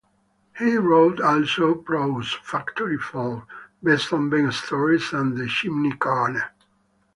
He wrote also prose: "Factory Folk", "Besom Ben Stories", and "The Chimney Corner".